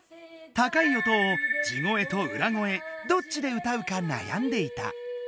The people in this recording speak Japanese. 高い音を地声と裏声どっちで歌うか悩んでいた。